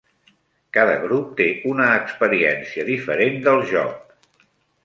Cada grup té una experiència diferent del joc.